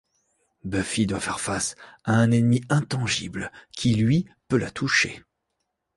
Buffy doit faire face à un ennemi intangible qui lui peut la toucher.